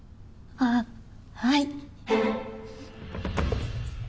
あっはい。